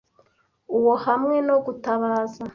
uwo hamwe no gutabaza